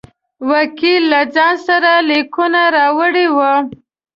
وکیل له ځان سره لیکونه راوړي وه.